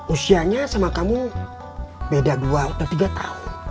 usianya sama kamu beda dua atau tiga tahun